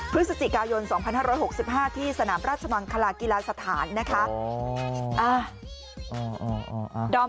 พฤศจิกายน๒๕๖๕ที่สนามราชมังคลากีฬาสถานนะคะ